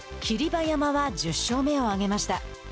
霧馬山は１０勝目を挙げました。